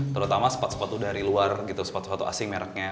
terutama sepatu sepatu dari luar gitu sepatu sepatu asing mereknya